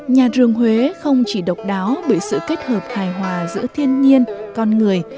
nhà rường huế không chỉ độc đáo bởi sự kết hợp hài hòa giữa thiên nhiên con người